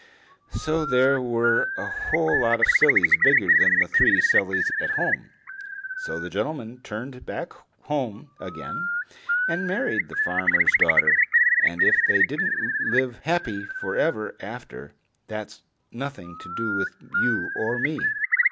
So there were a whole lot of sillies bigger than the three sillies at home. So the gentleman turned back home again and married the farmer's daughter, and if they didn't live happy for ever after, that's nothing to do with you or me.